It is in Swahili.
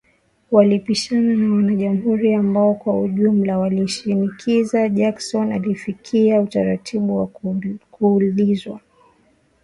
Walipishana na wanajamhuri ambao kwa ujumla walimshinikiza Jackson, alifikia utaratibu wa kuulizwa maswali